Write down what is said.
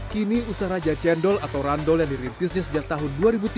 kini usaha raja cendol atau randol yang dirintisnya sejak tahun dua ribu tujuh